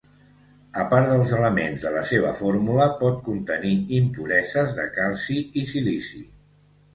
A part dels elements de la seva fórmula, pot contenir impureses de calci i silici.